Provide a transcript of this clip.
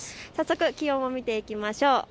早速、気温を見ていきましょう。